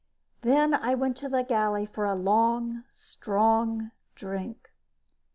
Then I went to the galley for a long, strong drink.